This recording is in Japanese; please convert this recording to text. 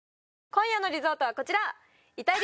今夜のリゾートはこちら！